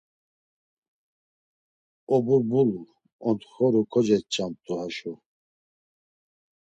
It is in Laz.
Oburbulu, ontxoru kocoç̌amt̆u haşo.